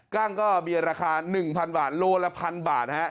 กั้งก็มีราคา๑๐๐๐บาทโลละพันบาท